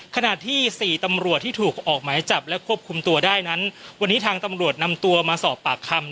ขณะที่๔ตำรวจที่ถูกออกหมายจับและควบคุมตัวได้นั้นวันนี้ทางตำรวจนำตัวมาสอบปากคำ